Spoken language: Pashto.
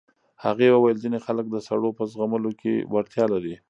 هغې وویل ځینې خلک د سړو په زغملو کې وړتیا لري.